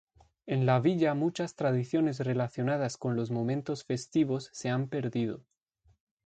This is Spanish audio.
En la villa muchas tradiciones relacionadas con los momentos festivos se han perdido.